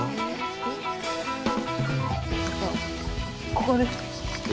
ここです。